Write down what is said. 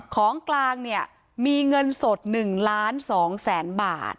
ของกลางเนี่ยมีเงินสด๑ล้าน๒แสนบาท